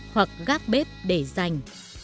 hoặc gác bếp để dành